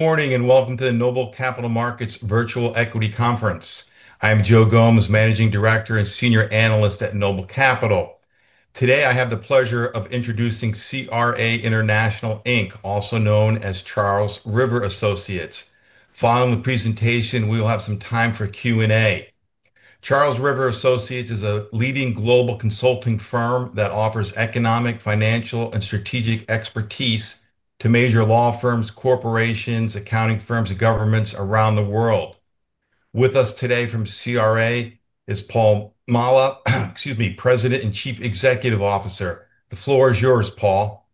Morning, and welcome to the Noble Capital Markets Virtual Equity Conference. I'm Joe Gomes, Managing Director and Senior Analyst at Noble Capital. Today, I have the pleasure of introducing CRA International Inc., also known as Charles River Associates. Following the presentation, we will have some time for Q&A. Charles River Associates is a leading global consulting firm that offers economic, financial, and strategic expertise to major law firms, corporations, accounting firms, and governments around the world. With us today from CRA is Paul Maleh, President and Chief Executive Officer. The floor is yours, Paul.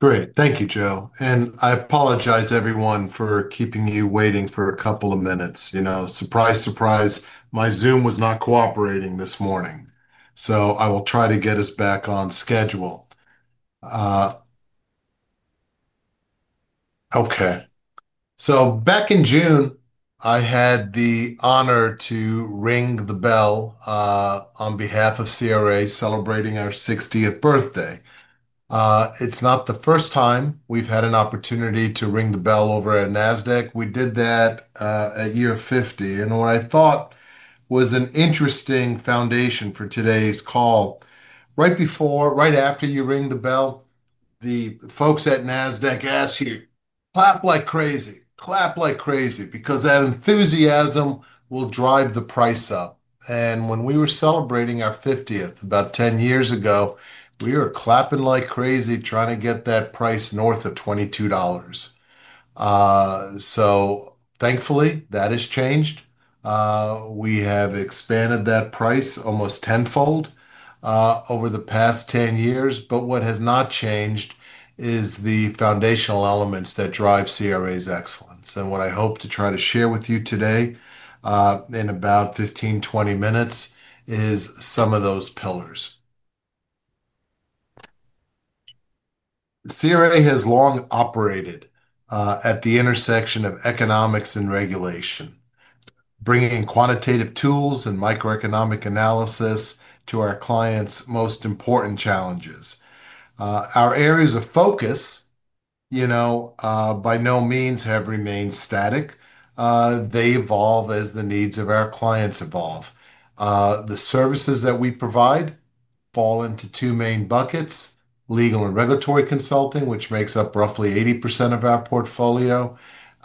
Good. Thank you, Joe. I apologize, everyone for keeping you waiting for a couple of minutes. Surprise, surprise, my Zoom was not cooperating this morning, so I will try to get us back on schedule. Back in June, I had the honor to ring the bell on behalf of CRA, celebrating our 60th birthday. It's not the first time we've had an opportunity to ring the bell over at NASDAQ. We did that at year 50. What I thought was an interesting foundation for today's call, right after you ring the bell, the folks at NASDAQ ask you, "Clap like crazy, clap like crazy," because that enthusiasm will drive the price up. When we were celebrating our 50th, about 10 years ago, we were clapping like crazy, trying to get that price north of $22. Thankfully, that has changed. We have expanded that price almost tenfold over the past 10 years. What has not changed is the foundational elements that drive CRA's excellence. What I hope to try to share with you today, in about 15, 20 minutes is some of those pillars. CRA has long operated at the intersection of economics and regulation, bringing quantitative tools and microeconomic analysis to our clients' most important challenges. Our areas of focus by no means have remained static. They evolve as the needs of our clients evolve. The services that we provide fall into two main buckets, legal and regulatory consulting, which makes up roughly 80% of our portfolio,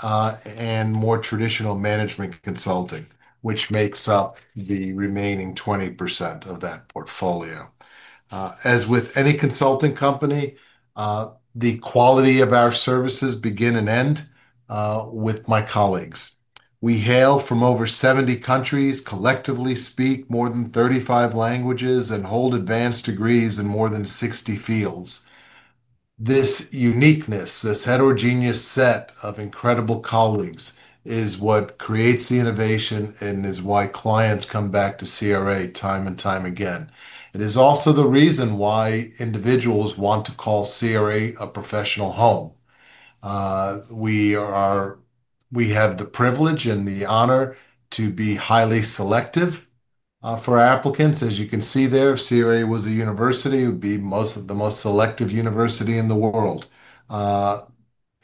and more traditional management consulting, which makes up the remaining 20% of that portfolio. As with any consulting company, the quality of our services begins and ends with my colleagues. We hail from over 70 countries, collectively speak more than 35 languages, and hold advanced degrees in more than 60 fields. This uniqueness, this heterogeneous set of incredible colleagues is what creates the innovation, and is why clients come back to CRA time and time again. It is also the reason why individuals want to call CRA a professional home. We have the privilege and the honor to be highly selective for our applicants. As you can see there, if CRA was a university, it would be the most selective university in the world,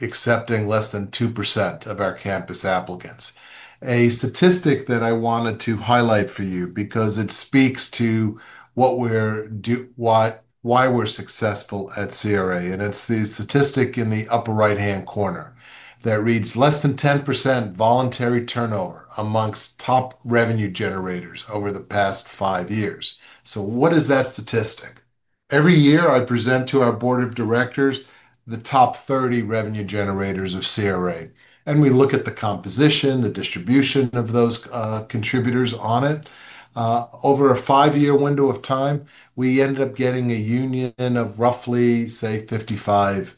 accepting less than 2% of our campus applicants. A statistic that I wanted to highlight for you, because it speaks to why we're successful at CRA, it's the statistic in the upper right-hand corner that reads less than 10% voluntary turnover amongst top revenue generators over the past five years. What is that statistic? Every year, I present to our Board of Directors, the top 30 revenue generators of CRA. We look at the composition, the distribution of those contributors on it. Over a five-year window of time, we ended up getting a union of roughly say, 55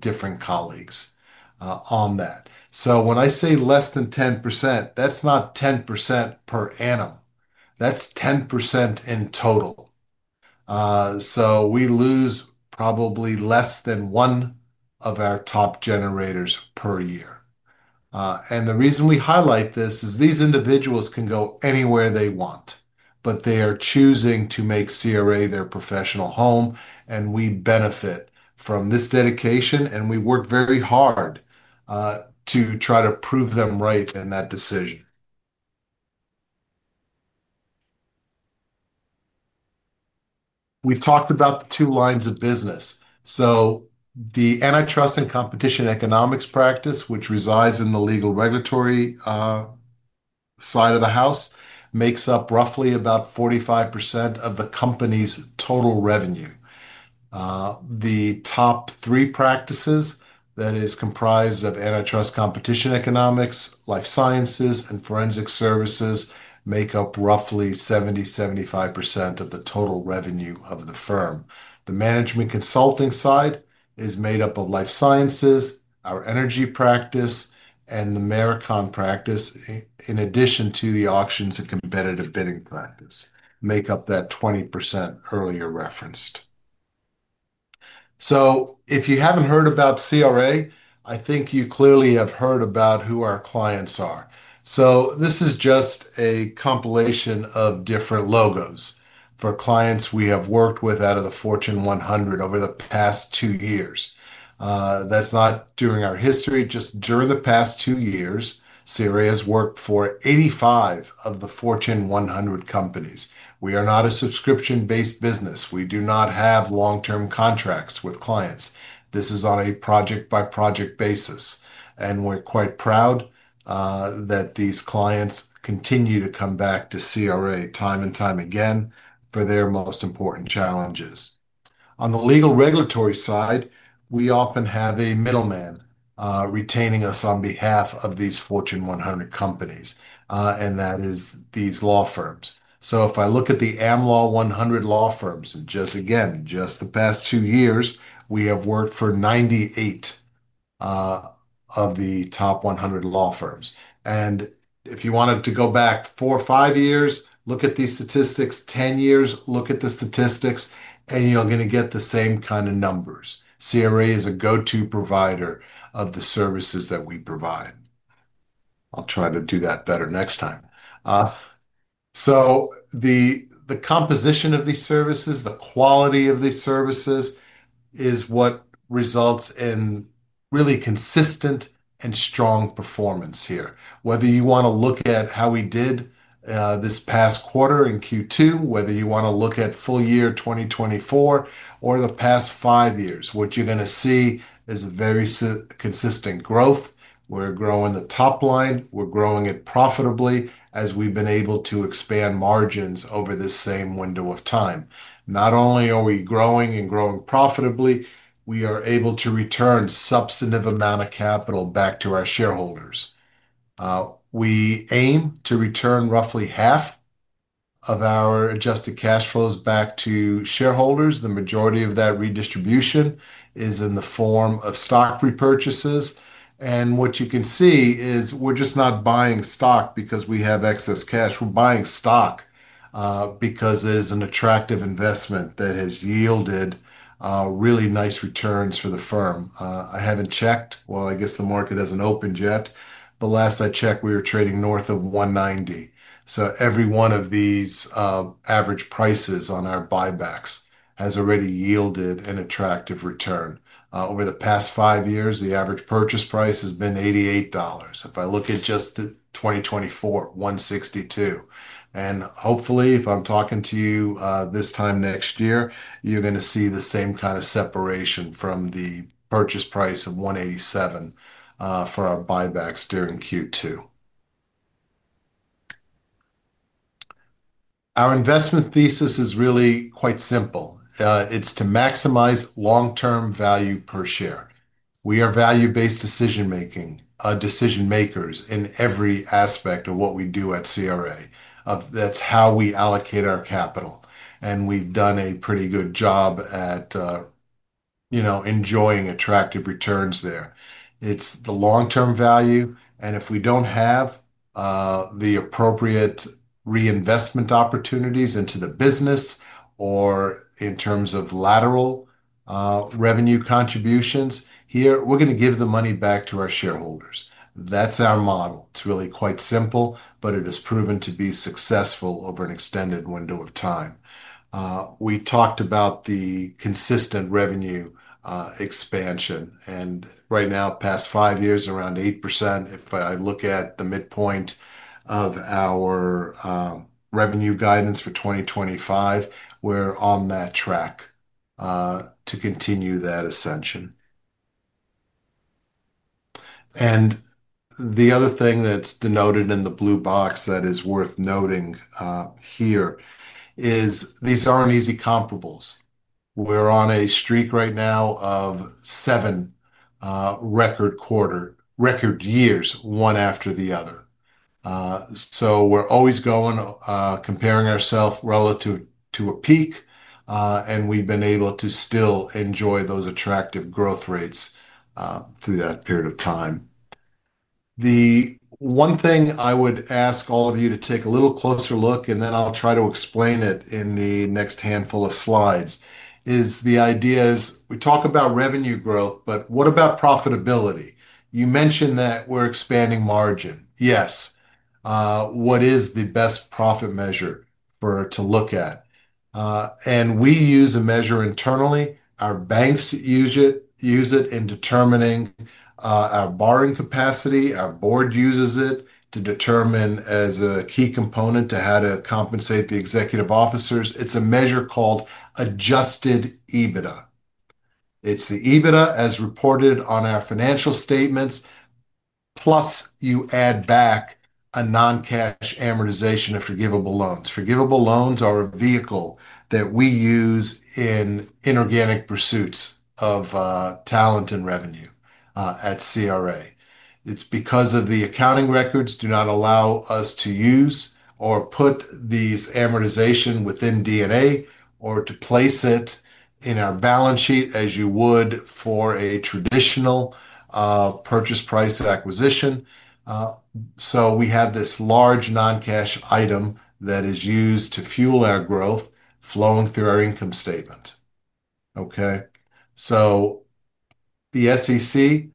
different colleagues on that. When I say less than 10%, that's not 10% per annum. That's 10% in total. We lose probably less than one of our top generators per year. The reason we highlight this, is these individuals can go anywhere they want, but they are choosing to make CRA their professional home. We benefit from this dedication, and we work very hard to try to prove them right in that decision. We've talked about the two lines of business. The antitrust and competition economics practice, which resides in the legal regulatory side of the house, makes up roughly about 45% of the company's total revenue. The top three practices that are comprised of antitrust and competition economics, life sciences, and forensic services make up roughly 70%, 75% of the total revenue of the firm. The management consulting side is made up of life sciences, our energy practice, and the maritime practice, in addition to the auctions and competitive bidding practice, which make up that 20% earlier referenced. If you haven't heard about CRA, I think you clearly have heard about who our clients are. This is just a compilation of different logos for clients we have worked with out of the Fortune 100 over the past two years. That's not during our history. Just during the past two years, CRA has worked for 85 of the Fortune 100 companies. We are not a subscription-based business. We do not have long-term contracts with clients. This is on a project-by-project basis. We're quite proud that these clients continue to come back to CRA time and time again for their most important challenges. On the legal regulatory side, we often have a middleman retaining us on behalf of these Fortune 100 companies, and that is these law firms. If I look at the Am Law 100 law firms, again, just the past two years, we have worked for 98 of the top 100 law firms. If you wanted to go back four or five years, look at these statistics, 10 years, look at the statistics, you're going to get the same kind of numbers. CRA is a go-to provider of the services that we provide. I'll try to do that better next time. The composition of these services, the quality of these services is what results in really consistent and strong performance here. Whether you want to look at how we did this past quarter in Q2, whether you want to look at full year 2024 or the past five years, what you're going to see is very consistent growth. We're growing the top line. We're growing it profitably, as we've been able to expand margins over this same window of time. Not only are we growing and growing profitably, we are able to return a substantive amount of capital back to our shareholders. We aim to return roughly half of our adjusted cash flows back to shareholders. The majority of that redistribution is in the form of stock repurchases. What you can see is, we're just not buying stock because we have excess cash. We're buying stock because it is an attractive investment that has yielded really nice returns for the firm. I haven't checked, well, I guess the market hasn't opened yet. The last I checked, we were trading north of $190. Every one of these average prices on our buybacks has already yielded an attractive return. Over the past five years, the average purchase price has been $88. If I look at just the 2024, $162. Hopefully, if I'm talking to you this time next year, you're going to see the same kind of separation from the purchase price of $187 for our buybacks during Q2. Our investment thesis is really quite simple. It's to maximize long-term value per share. We are value-based decision-makers in every aspect of what we do at CRA. That's how we allocate our capital. We've done a pretty good job at enjoying attractive returns there. It's the long-term value. If we don't have the appropriate reinvestment opportunities into the business or in terms of lateral revenue contributions here, we're going to give the money back to our shareholders. That's our model. It's really quite simple, but it has proven to be successful over an extended window of time. We talked about the consistent revenue expansion. Right now, the past five years, around 8%. If I look at the midpoint of our revenue guidance for 2025, we're on that track to continue that ascension. The other thing that's denoted in the blue box that is worth noting here is these aren't easy comparables. We're on a streak right now of seven record years, one after the other. We're always going comparing ourselves relative to a peak, and we've been able to still enjoy those attractive growth rates through that period of time. The one thing I would ask all of you to take a little closer look at, and then I'll try to explain it in the next handful of slides, is the idea, we talk about revenue growth, but what about profitability? You mentioned that we're expanding margin. Yes, what is the best profit measure to look at? We use a measure internally. Our banks use it in determining our borrowing capacity. Our board uses it to determine, as a key component to how to compensate the executive officers. It's a measure called adjusted EBITDA. It's the EBITDA as reported on our financial statements, plus you add back a non-cash amortization of forgivable loans. Forgivable loans are a vehicle that we use in inorganic pursuits of talent and revenue at CRA. It's because the accounting records do not allow us to use or put these amortizations within D&A, or to place it in our balance sheet as you would for a traditional purchase price acquisition. We have this large non-cash item that is used to fuel our growth, flowing through our income statement. The SEC,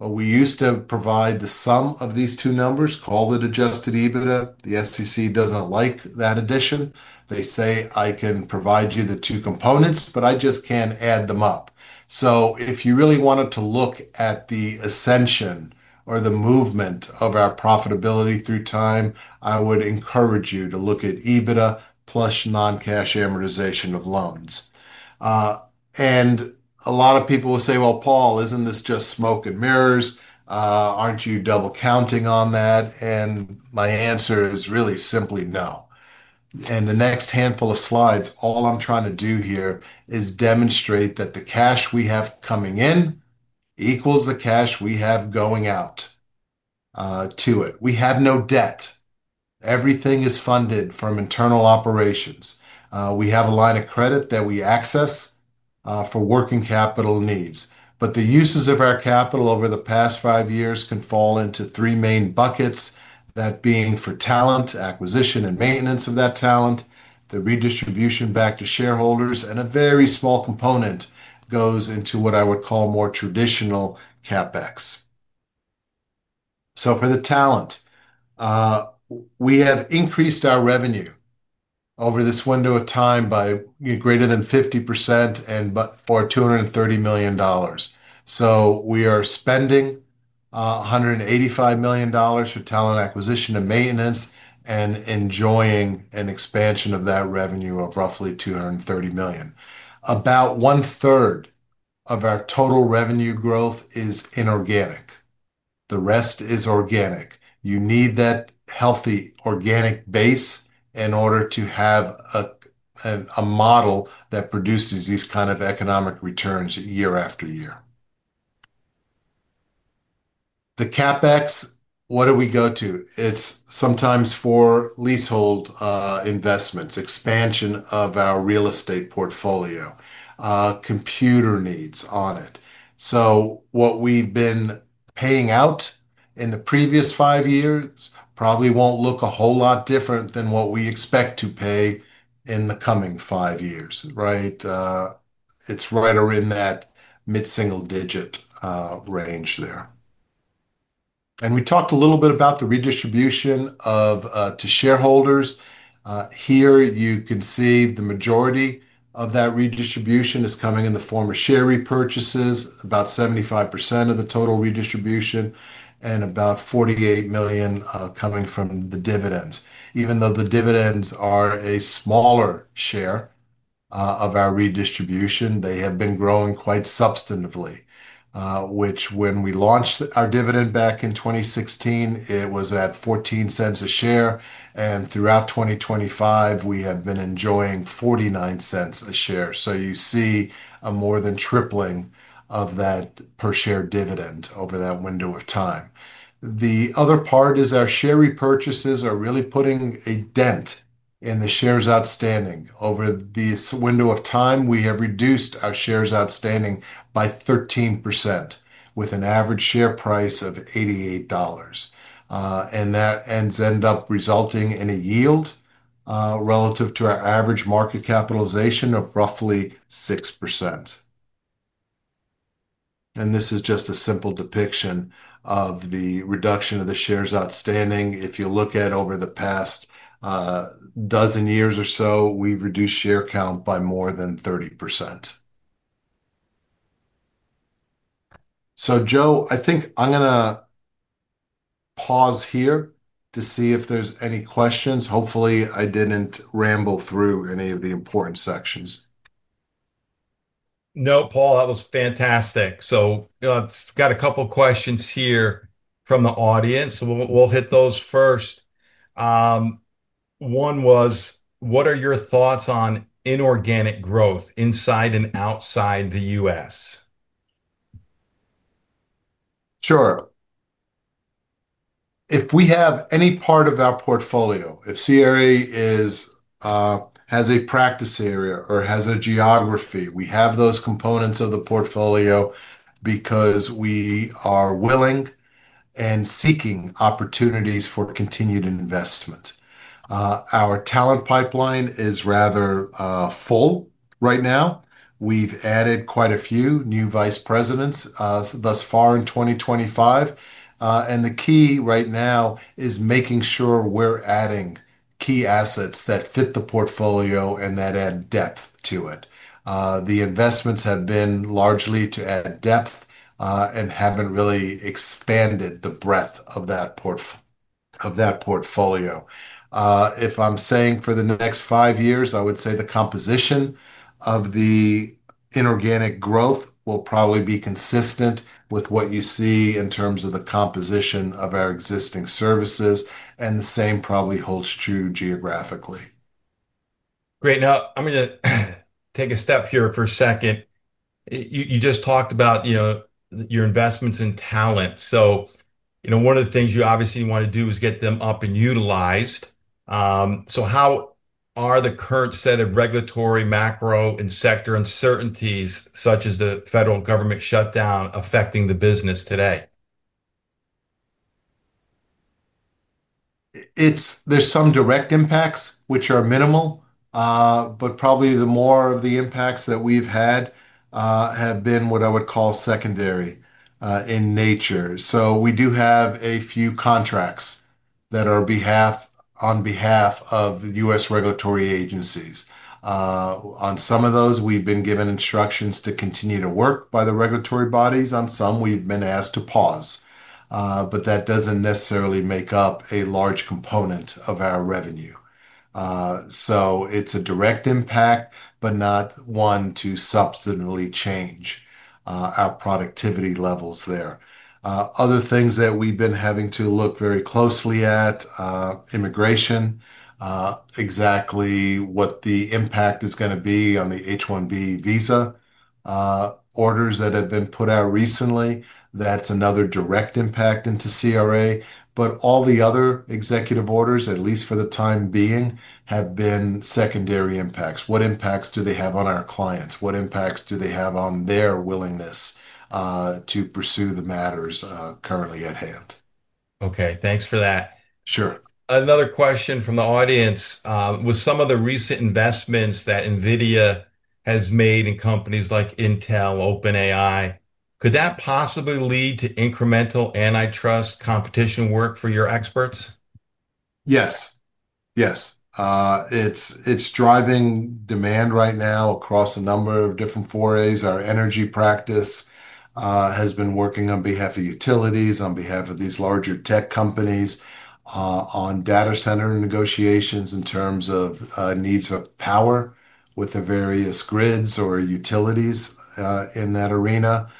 we used to provide the sum of these two numbers, called it adjusted EBITDA. The SEC doesn't like that addition. They say, "I can provide you the two components, but I just can't add them up." If you really wanted to look at the ascension or the movement of our profitability through time, I would encourage you to look at EBITDA plus non-cash amortization of loans. A lot of people will say, "Well, Paul, isn't this just smoke and mirrors? Aren't you double-counting on that?" My answer is really simply no. In the next handful of slides, all I'm trying to do here is demonstrate that the cash we have coming in equals the cash we have going out to it. We have no debt. Everything is funded from internal operations. We have a line of credit that we access for working capital needs. The uses of our capital over the past five years can fall into three main buckets, that being for talent, acquisition, and maintenance of that talent, the redistribution back to shareholders and a very small component goes into what I would call more traditional CapEx. For the talent, we have increased our revenue over this window of time by greater than 50% and for $230 million. We are spending $185 million for talent acquisition and maintenance, and enjoying an expansion of that revenue of roughly $230 million. About 1/3 of our total revenue growth is inorganic. The rest is organic. You need that healthy organic base in order to have a model that produces these kinds of economic returns year after year. The CapEx, what do we go to? It's sometimes for leasehold investments, expansion of our real estate portfolio, computer needs on it. What we've been paying out in the previous five years probably won't look a whole lot different than what we expect to pay in the coming five years, right? It's right in that mid-single-digit range there. We talked a little bit about the redistribution to shareholders. Here, you can see the majority of that redistribution is coming in the form of share repurchases, about 75% of the total redistribution and about $48 million coming from the dividends. Even though the dividends are a smaller share of our redistribution, they have been growing quite substantively, which when we launched our dividend back in 2016, it was at $0.14 a share. Throughout 2025, we have been enjoying $0.49 a share. You see a more than tripling of that per share dividend over that window of time. The other part is, our share repurchases are really putting a dent in the shares outstanding. Over this window of time, we have reduced our shares outstanding by 13%, with an average share price of $88. That ends up resulting in a yield relative to our average market capitalization, of roughly 6%. This is just a simple depiction of the reduction of the shares outstanding. If you look at over the past dozen years or so, we've reduced share count by more than 30%. Joe, I think I'm going to pause here to see if there's any questions. Hopefully, I didn't ramble through any of the important sections. No, Paul. That was fantastic. I've got a couple of questions here from the audience. We'll hit those first. One was, what are your thoughts on inorganic growth inside and outside the U.S.? Sure. If we have any part of our portfolio, if CRA has a practice area or has a geography, we have those components of the portfolio because we are willing and seeking opportunities for continued investment. Our talent pipeline is rather full right now. We've added quite a few new vice presidents thus far in 2025. The key right now is making sure we're adding key assets that fit the portfolio and that add depth to it. The investments have been largely to add depth, and haven't really expanded the breadth of that portfolio. If I'm saying for the next five years, I would say the composition of the inorganic growth will probably be consistent with what you see in terms of the composition of our existing services. The same probably holds true geographically. Great. Now, I'm going to take a step here for a second. You just talked about your investments in talent. One of the things you obviously want to do is get them up and utilized. How are the current set of regulatory, macro, and sector uncertainties, such as the federal government shutdown, affecting the business today? There are some direct impacts, which are minimal, but probably more of the impacts that we've had have been what I would call secondary in nature. We do have a few contracts, on behalf of U.S. regulatory agencies. On some of those, we've been given instructions to continue to work by the regulatory bodies. On some, we've been asked to pause. That doesn't necessarily make up a large component of our revenue. It's a direct impact, but not one to substantively change our productivity levels there. Other things that we've been having to look very closely at are immigration, exactly what the impact is going to be on the H1-B visa orders that have been put out recently. That's another direct impact into CRA. All the other executive orders, at least for the time being, have been secondary impacts. What impacts do they have on our clients? What impacts do they have on their willingness to pursue the matters currently at hand? Okay, thanks for that. Sure. Another question from the audience was some of the recent investments that NVIDIA has made in companies like Intel, OpenAI. Could that possibly lead to incremental antitrust and competition work for your experts? Yes. It's driving demand right now across a number of different forays. Our energy practice has been working on behalf of utilities, on behalf of these larger tech companies, on data center negotiations in terms of needs of power with the various grids or utilities in that arena.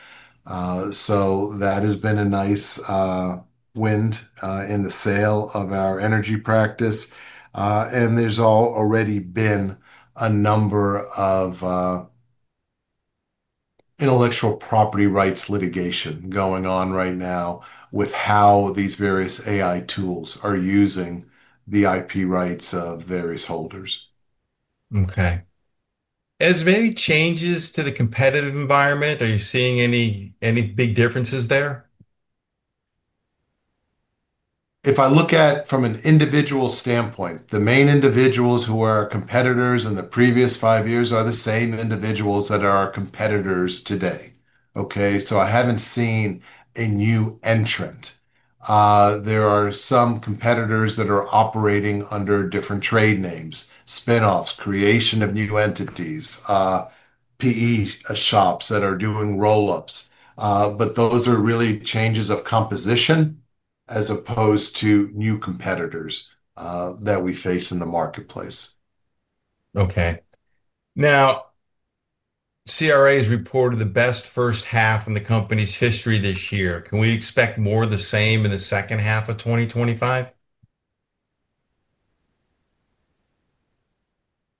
That has been a nice wind in the sail of our energy practice. There's already been a number of intellectual property rights litigation going on right now with how these various AI tools are using the IP rights of various holders. Okay. Has there been any changes to the competitive environment? Are you seeing any big differences there? If I look at it from an individual standpoint, the main individuals who are our competitors in the previous five years are the same individuals that are our competitors today. I haven't seen a new entrant. There are some competitors that are operating under different trade names, spin-offs, creation of new entities, PE shops that are doing roll-ups. Those are really changes of composition, as opposed to new competitors that we face in the marketplace. Okay. Now, CRA has reported the best first half in the company's history this year. Can we expect more of the same in the second half of 2025?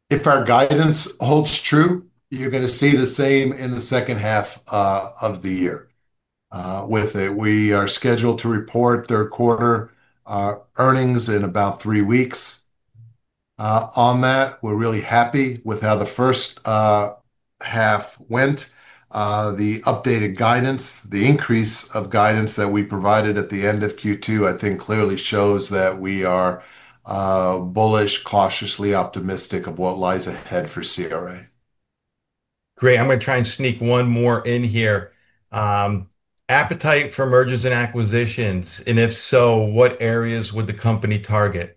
If our guidance holds true, you're going to see the same in the second half of the year. We are scheduled to report their quarter earnings in about three weeks. On that, we're really happy with how the first half went. The updated guidance, the increase of guidance that we provided at the end of Q2, I think clearly shows that we are bullish, cautiously optimistic of what lies ahead for CRA. Great. I'm going to try and sneak one more in here. Appetite for mergers and acquisitions, and if so, what areas would the company target?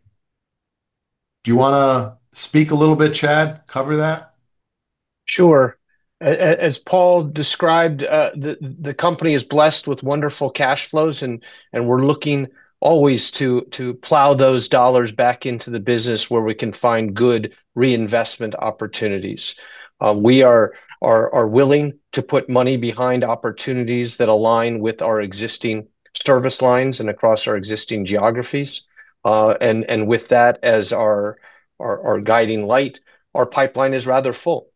Do you want to speak a little bit, Chad, cover that? Sure. As Paul described, the company is blessed with wonderful cash flows, and we're looking, always to plow those dollars back into the business where we can find good reinvestment opportunities. We are willing to put money behind opportunities that align with our existing service lines, and across our existing geographies. With that as our guiding light, our pipeline is rather full.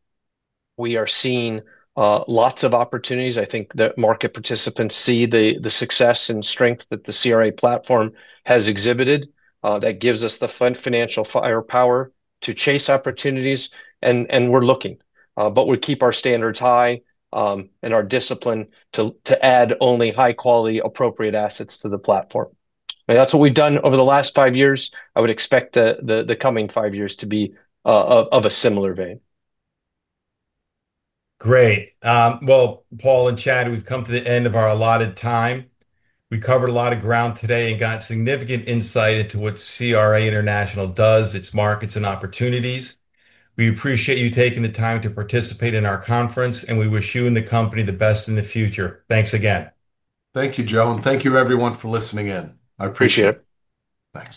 We are seeing lots of opportunities. I think that market participants see the success and strength that the CRA platform has exhibited. That gives us the financial firepower to chase opportunities, and we're looking. We keep our standards high and our discipline to add only high-quality, appropriate assets to the platform. That's what we've done over the last five years. I would expect the coming five years to be of a similar vein. Great. Paul and Chad, we've come to the end of our allotted time. We covered a lot of ground today and got significant insight into what CRA does, its markets, and opportunities. We appreciate you taking the time to participate in our conference, and we wish you and the company the best in the future. Thanks again. Thank you, Joe. Thank you, everyone for listening in. Thank you. I appreciate it. Thanks.